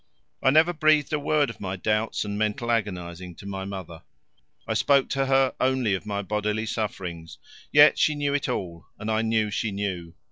I never breathed a word of my doubts and mental agonizing to my mother; I spoke to her only of my bodily sufferings; yet she knew it all, and I knew that she knew.